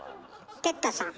哲太さん。